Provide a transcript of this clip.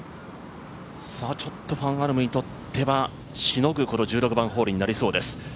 ファン・アルムにとってはしのぐ１６番ホールになりそうです。